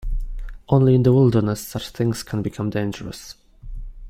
Only in the wilderness such things can become dangerous.